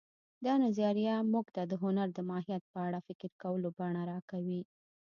دا نظریه موږ ته د هنر د ماهیت په اړه فکر کولو بلنه راکوي